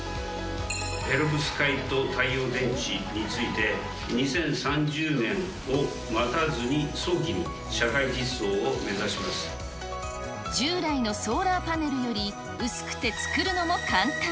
ペロブスカイト太陽電池について２０３０年を待たずに、従来のソーラーパネルより薄くて作るのも簡単。